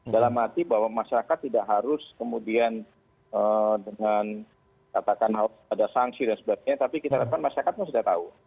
dalam arti bahwa masyarakat tidak harus kemudian dengan katakan harus ada sanksi dan sebagainya tapi kita harapkan masyarakat pun sudah tahu